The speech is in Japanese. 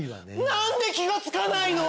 なんで気がつかないの！？